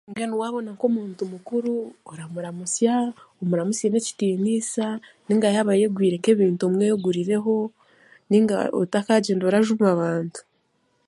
Mbwenu waabona nk'omuntu mukuru, oramuramusya omuramusye n'ekitiniisa ninga yaba ayegwire nk'ebintu omwegurireho ninga otakagyenda orajuma abantu.